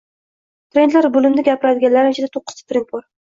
Trendlar boʻlimida gapiradiganlarim ichida toʻqqizta trend bor